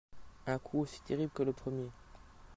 Un coup aussi terrible que le premier.